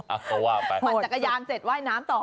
อักบันจักรยานเสร็จไหวน้ำต่อ